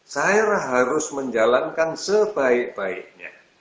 saya harus menjalankan sebaik baiknya